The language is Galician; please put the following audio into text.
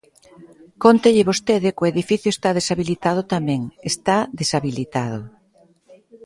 Cóntelle vostede que o edificio está deshabilitado tamén; está deshabilitado.